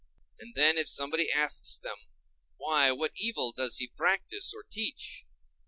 —and then if somebody asks them, Why, what evil does he practise or teach?